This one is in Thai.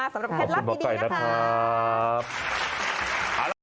ขอบคุณมากสำหรับแข่งลักษณ์ดีนะครับ